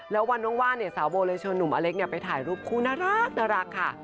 แล้ววันว่างเนี่ยสาวโบเลยชวนหนุ่มอเล็กไปถ่ายรูปคู่น่ารักค่ะ